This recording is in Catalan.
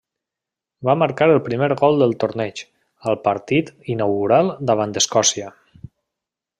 Va marcar el primer gol del torneig, al partit inaugural davant Escòcia.